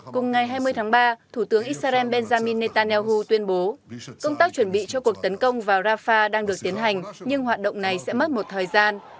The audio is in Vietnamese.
cùng ngày hai mươi tháng ba thủ tướng israel benjamin netanyahu tuyên bố công tác chuẩn bị cho cuộc tấn công vào rafah đang được tiến hành nhưng hoạt động này sẽ mất một thời gian